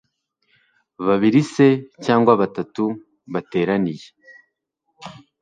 babiri se cyangwa batatu (bateraniye